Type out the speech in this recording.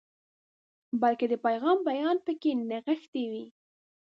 بلکې د پیغام بیان پکې نغښتی وي.